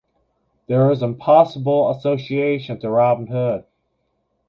There is an possible association to Robin Hood.